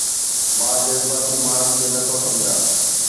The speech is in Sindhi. مان جذباتي ماڻهن کي نٿو سمجهان